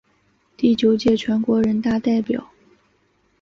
第九届全国人大代表。